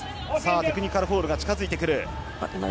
テクニカルフォールが近付いてくる。